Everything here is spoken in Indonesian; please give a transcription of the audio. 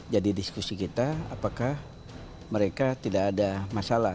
jadi diskusi kita apakah mereka tidak ada masalah